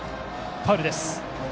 ファウルです。